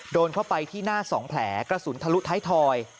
โดนเข้าไปที่หน้า๒แผลกระสุนทะลุท้ายทอย